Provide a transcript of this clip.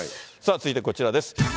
さあ続いてこちらです。